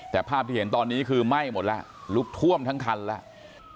แต่ภาพที่เห็นตอนนี้คือไหม้หมดแล้วลุกท่วมทั้งคันแล้ว